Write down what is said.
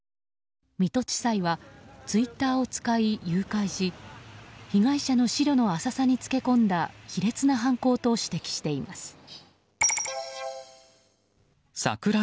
水戸地裁はツイッターを使い誘拐し被害者の思慮の浅さにつけ込んだ卑劣な犯行と指摘しています。